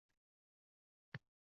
Kitob o‘qish asabni tinchlantiradi.